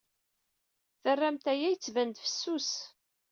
Terramt aya yettban-d fessus.